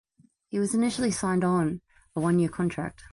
He was initially signed on a one-year contract.